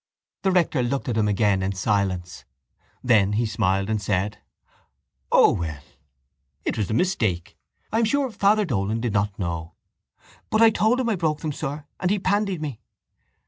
The rector looked at him again in silence. Then he smiled and said: —O, well, it was a mistake, I am sure Father Dolan did not know. —But I told him I broke them, sir, and he pandied me.